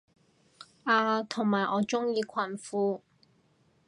啊同埋我鍾意裙褲